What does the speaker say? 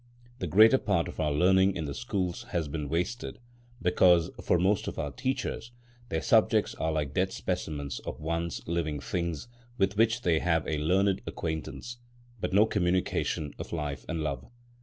The greater part of our learning in the schools has been wasted because, for most of our teachers, their subjects are like dead specimens of once living things, with which they have a learned acquaintance, but no communication of life and love.